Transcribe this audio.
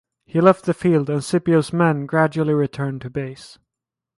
He left the field and Scipio's men gradually returned to base.